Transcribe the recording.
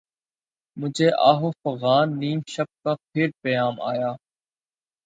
مجھے آہ و فغان نیم شب کا پھر پیام آیا